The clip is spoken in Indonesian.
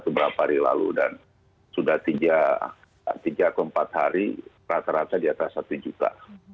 beberapa hari lalu dan sudah tiga atau empat hari rata rata di atas satu juta